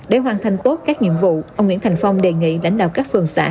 để hoàn thành tốt các nhiệm vụ ông nguyễn thành phong đề nghị lãnh đạo các phường xã